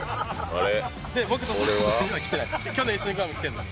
あれ？